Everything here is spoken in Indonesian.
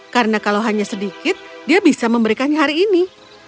karena kalau hanya sedikit dia bisa memberikannya hari ini